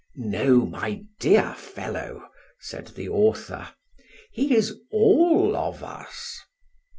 "No, my dear fellow," said the author; "he is all of us."